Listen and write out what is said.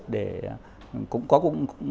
để cũng có những cuộc thi chúng tôi làm